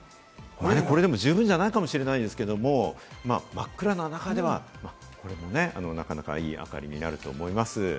これでも十分じゃないかもしれないですけれども、真っ暗な中ではなかなかいい明かりになると思います。